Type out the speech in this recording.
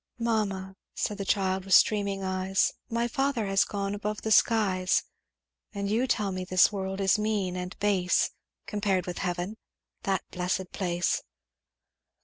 "'Mamma,' said the child with streaming eyes, 'My father has gone above the skies; And you tell me this world is mean and base Compared with heaven that blessed place.'